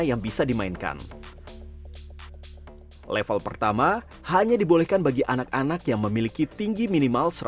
yang bisa dimainkan level pertama hanya dibolehkan bagi anak anak yang memiliki tinggi minimal